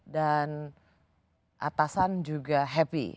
dan atasan juga happy